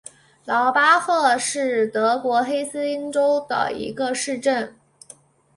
劳巴赫是德国黑森州的一个市镇。